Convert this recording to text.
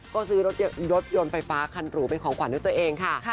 ก็ซื้อรถยนต์ไฟฟ้าคันหรูเป็นของขวัญด้วยตัวเองค่ะ